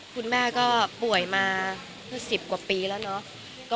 คุณแม่ก็ป่วยมา๑๐กว่าปีแล้วเนาะ